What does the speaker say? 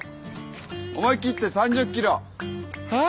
思い切って３０ｋｇ。えっ！？